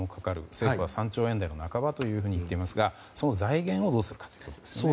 政府は３兆円台半ばとしていますがその財源をどうするかですね。